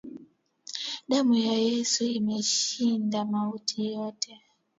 Damu ya yesu imeshinda mauti yote.